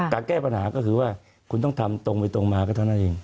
การแก้ปัญหาก็คือว่าคุณต้องทำตรงไปตรงมาก็เท่านั้นเอง